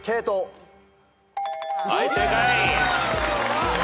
はい正解。